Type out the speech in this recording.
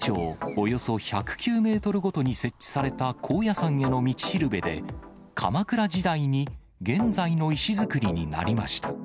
およそ１０９メートルごとに設置された高野山への道しるべで、鎌倉時代に現在の石造りになりました。